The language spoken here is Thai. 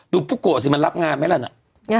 ผู้โกรธสิมันรับงานไหมล่ะน่ะ